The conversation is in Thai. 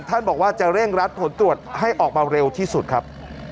ท่านบอกว่าจะเร่งรัดผลตรวจให้ออกมาเร็วที่สุดครับ